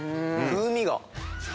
風味が。